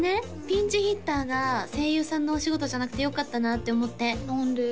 ピンチヒッターが声優さんのお仕事じゃなくてよかったなって思って何で？